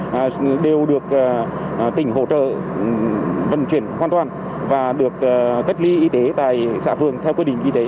các tỉnh đều được tỉnh hỗ trợ vận chuyển hoàn toàn và được cách ly y tế tại xã phường theo quy định y tế